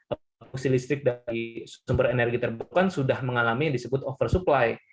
produksi listrik dari sumber energi terbarukan sudah mengalami yang disebut oversupply